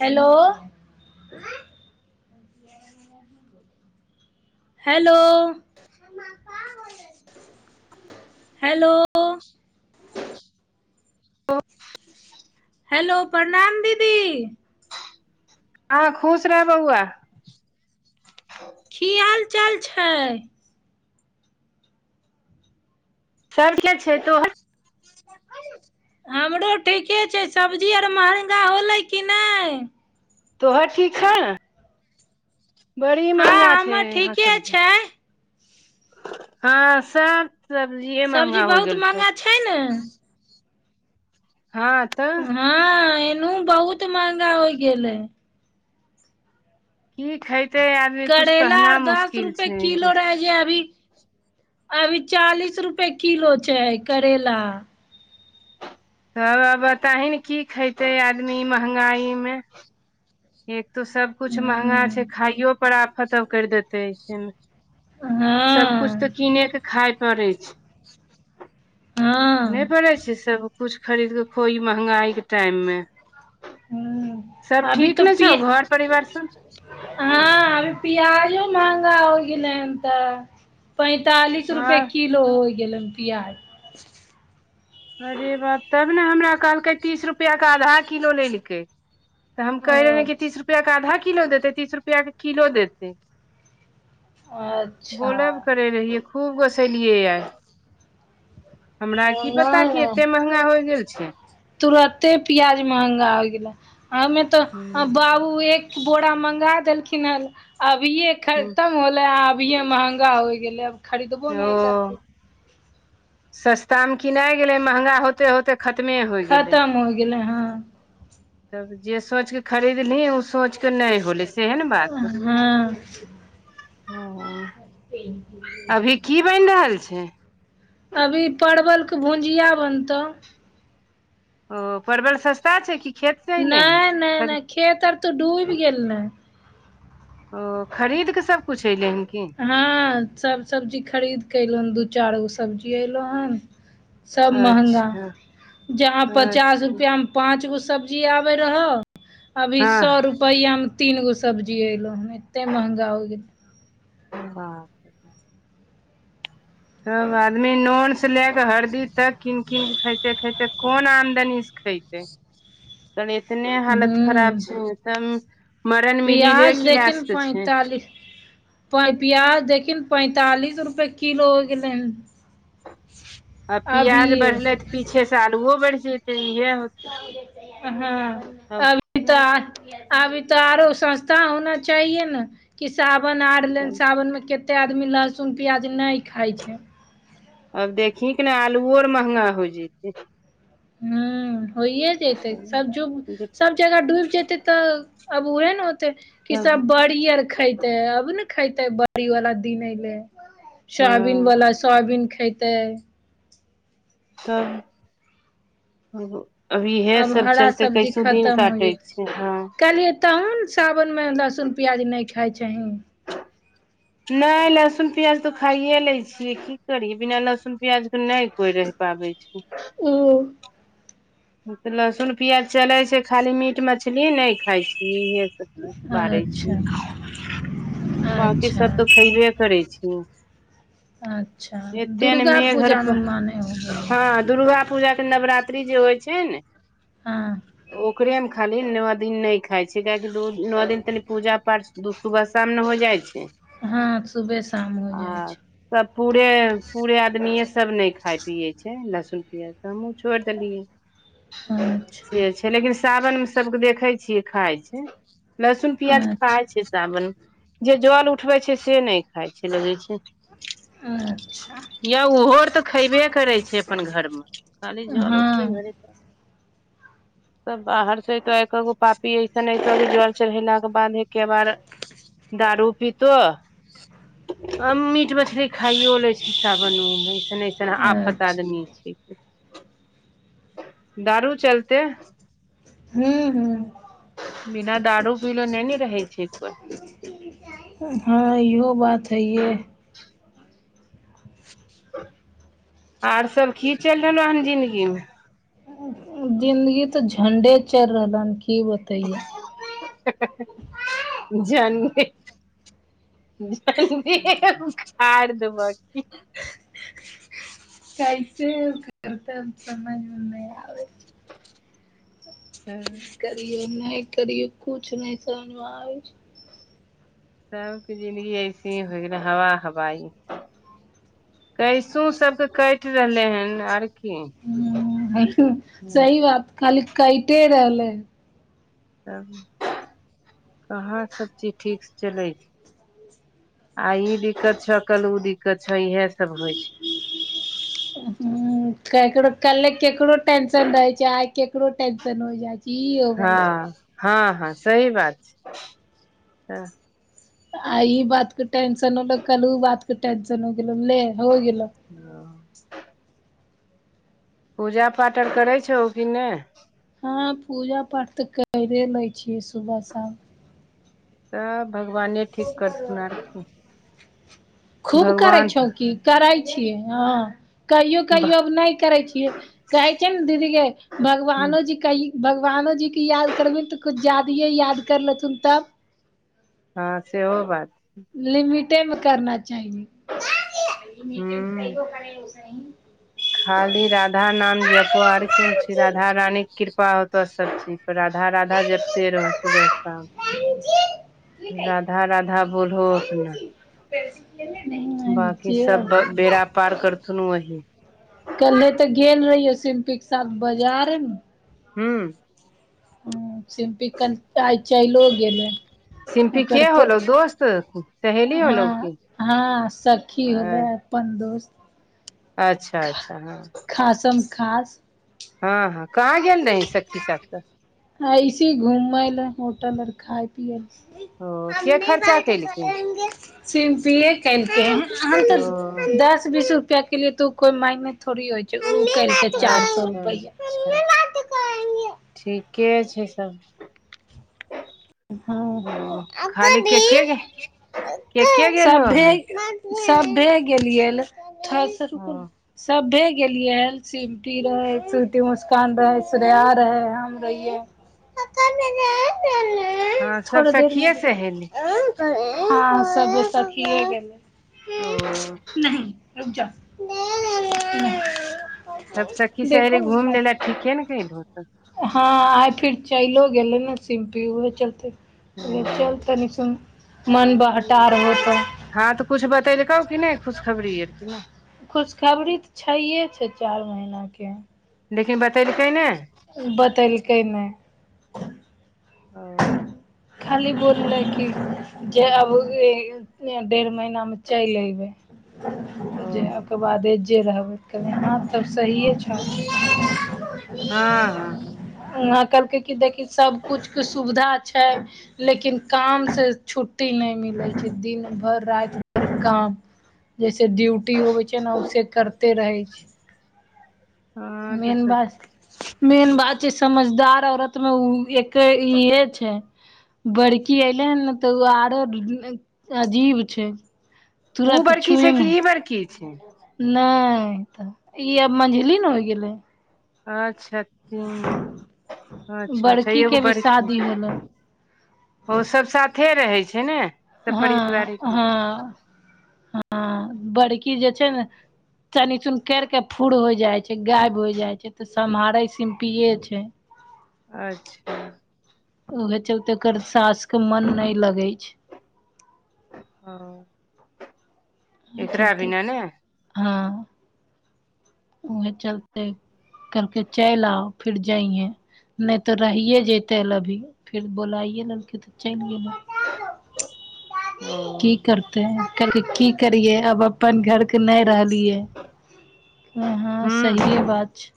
Hello. Hello, hello. Hello. Hello, प्रणाम दीदी। हँ खुश रह बौआ। की हाल चाल छै। [unintelligible] छै तों। हमरो ठीके छै, सब्जी आर महँगा होलै कि नै! तोहर ठीक है ने, बड़ी हँ महंगा छै हमर यहाँ ठीके सब्जी। छै हँ सब सब्जिए सब्जी महंगा होइ बहुत गेल छौ। महंगा छै ने हँ तऽ हँ एनू बहुत महंगा होई गेलै। की खैतै आदमी कुछ करैला कहना आर दस मुश्किल रुपए छै एकदम। किलो रहै जे अभी अभी चालीस रुपये किलो छै करैेला। तब बताही न की खेते आदमी महंगाई मे। एक तो सब-कुछ महंगा छै, हूँ खाइयो पर आफत अब कर देते ऐसे मे। हँ। सब कुछ तऽ कीने के खाइ पड़ै छै। नै हँ पड़ै छै सब कुछ खरीद के खो ई महंगाइ के टाइम मे। हूॅं सब अभी ठीक तऽ ने छौ घर परिवार सब हँअ अभी पियाजो महंगा होइ गेलै हन तऽ। पैंतालिस रुपए हँ किलो होइ गेलन प्याज। अरे बाप तब ने हमरा कहलकै तीस रुपया के आधा किलो लेलकै। तऽ हम कहि रहेै कि तीस अच्छा रुपया क आधा किलो देतै तीस रुपया के किलो देतै। अच्छा बोलब क रहियै खूब गुस्सैलियै आइ हमरा ओ की पता पता नहि की नहि एते महंगा होइ गेल छै। तुरते पियाज महंगा होइ गेलै हम यर त बाबू एक बोड़ा मंगा देलखिन हन अभिये खतम होले आ अभिये महंगा होइ गेलै अब। खरीदबो ओ नहि करथिन सस्ता मे किनाइ गेलै महंगा होते - होते खतमे होइ गेलै खतम हो गेलै हँ तब जे सोचि के खरीदलीही सोच केऽ नै होलय सेहे ने बात। हँ हॅं। [inaudible] अभी की बनि रहल छै? अभी परवल के भुजिया बनतौ। ओ परवल सस्ता छै कि खेत से अयले नै- नै - हन नै खेत आर त डूइब गेल ने। ओ खरीद केऽ सबकुछ अइलै हन कि? हँ सब सब्जी खरीदके अइलौ हन दू चार गो सब्जी अइलौ हन। सब महंगा अच्छा जहाँ पचास अच्छा रुपया मे पाँंच गो सब्जी आबै रहौ अभी सौ हँ रुप पैया मे तीन गो सब्जी अइलौ हन एते महंगा होइ गेल। बाप रे। तब आदमी नोन से लेए क हरदी तक कीन- कीन के खइतै - खइतै कोन आमदनी से खइतै। खराब हूॅंउ छै तब मरन मिडिले पियाज देखही न क्लास के छै पैंतालिस प- पियाज देखही न पैंतालिस रुपये किलो होइ गेलै हन। आ पियाज अभिये बढ़लै तऽ पीछे से आलुओ बढ़ि जइतै इहेए होे हँ। तब अभी त - अभी त आरो सस्ता होना चाहिए ने कि सावन आर ले तब सावन मे कते आदमी लहसुन प्याज नहि खाई छै। आब देखहिक ने आलुओ आर महंगा होइ जइतै। हूॅं होइये जैतै सब जुग सब जगह डूइब जेतै तऽ अब उहे ने होतै कि सब बड़ बड़ी आर खइतेै अबे ने खइते बड़ी बला दिन अइलै। सोयाबीन हँ बला सोयाबीन खइतै। [inaudible] अभी इहेए अब सब हरा चलते सब्जी कैसो दिन काटै छै हँ। तहुं न सावन मे लहसुन प्याज नहि खाइ छहीं। नैय लहसुन प्याज त खाइये लै छियै की करियै बिना लहसुन प्याज के नै कोई रहै पाबै छि। ऊ। तऽ लहसुन प्याज चले छै, खाली मीट मछली नै खाय छीये। सब चीज बारै छी, अच्छा बाकी अच्छा सब तऽ खैबे करै छीय। अच्छा एते ने दुर्गा मेघ अर पूजामे पर मानै होबै हइ हां। दुर्गा पूजा के नवरात्रि जे होइ छै, ने हाँ। ओकरेमे खाली नओ दिन नै खाइ छै। काहेकि दू नओ दिन तनि पूजा पाठ दू सुबह शाम ने हो जाइ छै। हाँ सुबे शाम हो जाइ आ छै। सब पूरे - पूरे आदमिये सब नै खाइ पियै छै लहसुन पियाज तऽ हमहुँ छौइड़ देलियै। छै अच्छा से छै। लेकिन सावनमे सभके देखै छियै खाइ छै। लहसुन प्याज अच्छा खाय छै, सावन में जे जल उठबै छै से नै खाय छै लगै छै। या ओहो आर तऽ खयबे करै छै अपन घरमे खाली [unintelligible] जल उठबै हँ। [unintelligible] त बाहर से एतो एकगो पापी ऐसन एऐतो जल चढ़ेलाके बाद एके बार दारू पितो। आ मीट मछली खाइयो लै छै सावनो मे, ऐसन - ऐसन आफत अच्छा आदमी छै। दारू चलते। हूँ हूँ बिना दारू पीले नै ने रहे छै कोइ। ह इहो बात हइहे। आर सब की चैल रहलौ हन जिन्दगीमे? जिन्दगी तऽ झंडे चैल रहल हन की बत झंडे। झंडे उखाड़ देब कि। कैसे [unintelligible] सममेै नै आबे [unintelligible] करिये नै करिये कुछ नै समझमे आबै छै। सबके जिन्दगी ऐसे ही होइ गेलै हवा हवाई। कैसो सबके कैट रहलेहन आर की सही बात खाली काईटे रहलै। तब कहाँ सब चीज ठीक से चलै छै। आय ई दिक्कत छ कल ओ दिक्कत छ इहे सब होइ छै। [unintelligible] ह केकरो कले केकरो टेंसन रहै छै, आइ केकरो टेंसन हो जाय छै। ई होबै हा, ह - ह सही बात छै। आ ई बात क टेंशन होलो कल उ बात क टेंशन होगेलौ ले हो गेलो। [unintelligible] पूजा पाठ अर करै छौ कि ने। हँ पूजा पाठ तऽ करे लै छियै सुबह शाम। सब भगवाने ठीक करथुन आरके। खूब करै छौ की? करै छिये ह। कहियो - कहियो नै करै छिये। कहै छै ने दीदी गे भगवानो जी कहि भगवानो जीके याद करबिन तऽ कुछ जादिये याद कर लेथुन तब? हँ सेहो बात लिमिटेमे करना चाही नहि हूँ खाली राधा नाम जपो आर कोंची, राधा रानी के कृपा होतो सबचीज राधा- राधा जपते रहो सुबह शाम राधा-राधा बोलहो अपना [unintelligible] बांकी सब ब बेड़ा पार करथुन वहीं कल्हे तऽ गेल रहियो, सिम्पी के साथ बाजार हम्म हूं सिम्पिकल आइ चैलो गेलै सिम्पी के ‌ओकर प [unintelligible] की हँ-हँ सखी होलै अपन दोस्त अच्छा-अच्छा हँ। खासम-खास हँ-हँ कहाँ गेल रही सखी साथे हाय‌इसी घुमै लय, होटल आर खाय पीए, ओ के खर्चा केलकै सिम पी ए कैल-केए हँ हमैं ओ तऽ दस बीस रुपया के लिए, उ तो कोई मायने थोड़ी होय उ करै छै चारि सौ अच्छा रुपैया। अच्छा ठीके छै सब। हँ खाली के के गे- के के गेल हन सभैय सबभे गेलियै, थोड़ा सा रुकु ओ न, सभे गेलियैल, सिंम्पी रहै, श्रुति, मुसकान रहय, श्रेया रहय, हम रहियै। हँ सब थोड़ देर मे, सखिये सहेली हां सब सखिये गेलै। ओ नहि रुक जा, तब सखी-सहेली घुम लैले ठीके ने कयलहु त हँ आए फिर चैगलो गेलै ने सिम्पी उह चलते कहलियै चल तनि सुन, मन बहटा रहो त। हँं तऽ कुछ बतैलकौ कि नहि खुशखबरीये खुशखबरी त छैहे छै चारि महिना के लेकिन बतैलकै नहि ऊं बतेलकैय नहि। ओ खाली बोललै कि जे आबु बेर डेढ़ महीना मे चलि अयबै। जेया ओ के बादे जे रहबै, कनि आंचर सहिए। अच्छा। हँ हँ उहाँ कहलकै की देखी सबकुछ के सुविधा छय। लेकिन काम से छुट्टी नहि मिलै छै, दिन भर राति काम जैसे ड्यूटी होबै छै न‍, ओहिसे करते रहै छै। हँ तऽ मेन सब बस मेन बात जे समझदार औरत मे ऊ एके इहे छै। बड़की ऐलै हन न त ओ आरो अजीब छै। उ तुरत बड़की छै, तू छुइमे कि ई बड़की छै। नहि तऽ ई आब मझली न होइ गेलै। अच्छा। हुं, अच्छा अच्छा, बड़की एगो के भी बड़की। शादी होलै ओ सब साथे रहैय छै ने। सब हँ- पारिवारिक हँ -हँ बड़की जे छै ने तनी चुमकैर के फुर्र हो जाय छै गायब हो जाय छै तऽ सम्हारे छै, पियै छै। ह [inaudible] अच्छा। ओके चलते एकर साास के मन नै लगै छै। हँ [inaudible] नै चलतै, तै दुआरे हँ उहे चलते, कहलकै चलि आउ फिर जैहें। नहि तऽ रहिए जैतै अभी, फेर बोलाइए लेलकै तऽ चलि गेलै। ओ की करबै। तैऽ कहलकै की करियै आब अपन घर के नहि रहलियै। नै हँ सहिए हूँ बात छै।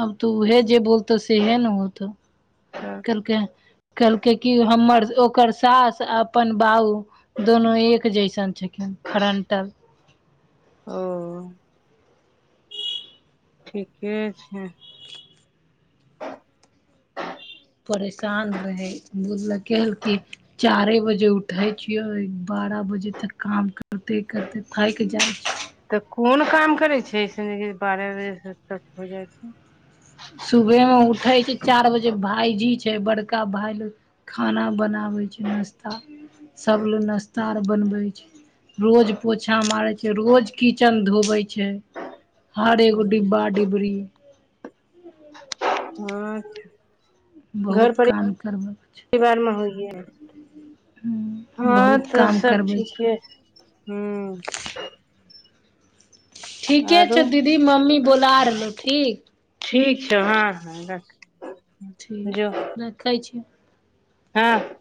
हम ते उहे जे बोलतौ सेहे न होतौ। हँ। कहलकै कहलकै की हमर ओकर सास अपन बाऊ दोनो एक जैसन छखिन, खरंटल। ओ। ठीके छै। परेशान रहै, बुझलखिन कि चारे बजे उठै छियै। बारह बजे तक काम करते करते थाकि जाइ छियै। तऽ कोन काम करै छै ऐसन जे बारह बजे तक हो जाइ छै। सुबहमे उठै छै चारि बजे भायजी छै बड़का भाय ले खाना बनाबै छै नाश्ता, सबले नाश्ता आर बनबै छै रोज पोछा मारै छै रोज किचन धोवै छै। छै, हर एगो डिब्बा डिबरी हँ, घर बहुत परि काम करबै छै परिवार में होइए है। हँ बहुत तऽ काम सब करबै ठीके छै। ठीके आरो छै दीदी मम्मी बोला रहलहु ठीक। ठीक छै हँ हँ राख ठीक, रखै छियै। हँ।